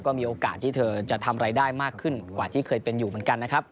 ก็มีโอกาสที่เธอจะทำรายได้มากขึ้นกว่าที่เคยเป็นอยู่เหมือนกันนะครับ